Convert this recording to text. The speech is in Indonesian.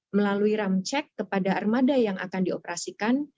melalui ram cec kepada armada yang akan dioperasikan